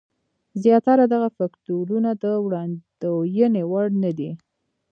زیاتره دغه فکټورونه د وړاندوینې وړ نه دي.